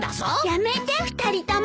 やめて２人とも！